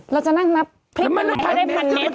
เราจะนั่งนับพริกกันใหม่เขาได้พันเมตร